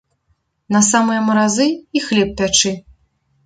На самыя маразы, і хлеб пячы.